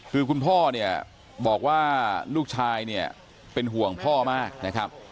คือคุณพ่อเนี่ยบอกว่าลูกชายเนี่ยเป็นห่วงพ่อมากนะครับ